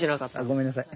ごめんなさい。